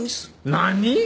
何！？